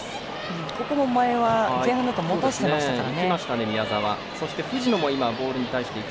ここも前は前半だと残してましたからね。